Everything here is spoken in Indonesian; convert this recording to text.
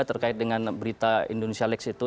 terkait dengan berita indonesia lex itu